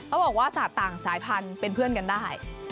บอกว่าสัตว์ต่างสายพันธุ์เป็นเพื่อนกันได้